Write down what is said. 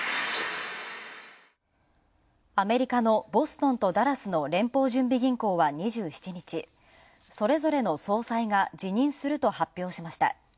アメリカのボストンとダラスの連邦準備銀行は２７日、それぞれの総裁が辞任すると発表しました。